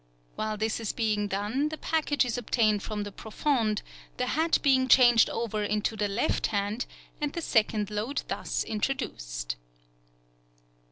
While this is being done, the package is obtained from the profonde, the hat being changed over into the left hand, and the second load thus introduced.